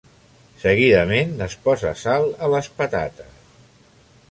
Seguidament es posa sal a les patates.